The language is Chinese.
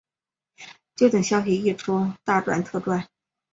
就等消息一出大赚特赚